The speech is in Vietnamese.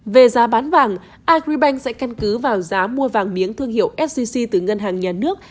về giá bán vàng agribank sẽ căn cứ vào giá mua vàng miếng thương hiệu sgc từ ngân hàng nhà nước